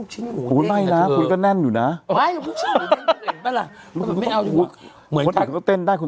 เชิกเชิก